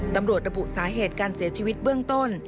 ระบุสาเหตุการเสียชีวิตเบื้องต้น